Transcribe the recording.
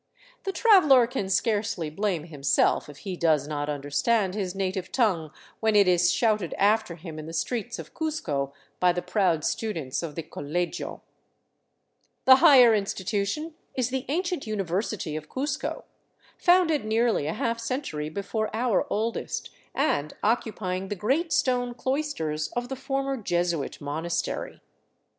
The traveler can scarcely blame himself if he does not understand his native tongue when it is shouted after him in the streets of Cuzco by the proud students of the Colegio. The higher institution is the ancient University of Cuzco, founded nearly a half century before our oldest, and occupying the great stone cloisters of the former Jesuit monastery.